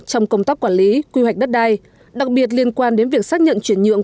trong công tác quản lý quy hoạch đất đai đặc biệt liên quan đến việc xác nhận chuyển nhượng